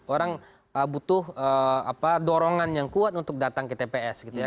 orang butuh dorongan yang kuat untuk datang ke tps gitu ya